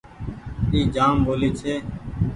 اي جآم ٻولي ڇي ۔